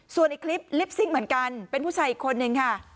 ส่วนอีกคลิปลิปซิ่งเหมือนกันเป็นผู้ชายอีกคนนึงค่ะ